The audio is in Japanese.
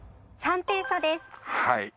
３点差です。